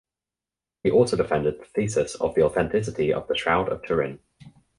He also defended the thesis of the authenticity of the Shroud of Turin.